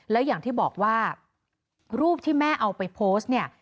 แล้วอย่างที่บอกว่ารูปที่แม่เอาไปโพสต์เนี่ย